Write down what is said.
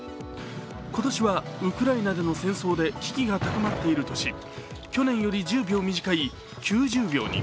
今年はウクライナでの戦争で危機が高まっているとし、去年より１０秒短い９０秒に。